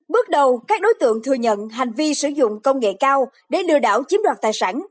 bước đầu các đối tượng thừa nhận hành vi sử dụng công nghệ cao để lừa đảo chiếm đoạt tài sản